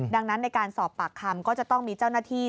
ดังนั้นในการสอบปากคำก็จะต้องมีเจ้าหน้าที่